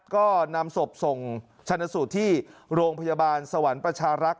ก็นำศพส่งชนะสูตรที่โรงพยาบาลสวรรค์ประชารักษ์